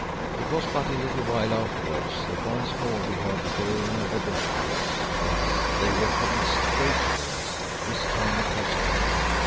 It was but a little while afterwards that once more we heard the baying of the death hounds. Yes, they were heading straight for us, this time across country.